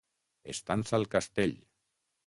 Estança al castell.